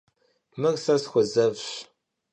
Mır se sxuezevş.